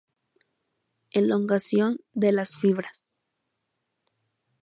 Elongación de las fibras.